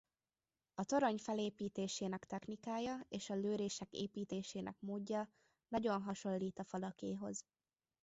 A torony felépítésének technikája és a lőrések építésének módja nagyon hasonlít a falakéhoz.